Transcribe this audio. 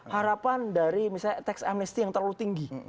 harapan dari misalnya tax amnesty yang terlalu tinggi